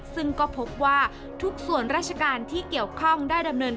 ซึ่งก็พบว่าทุกส่วนราชการที่เกี่ยวข้องได้ดำเนิน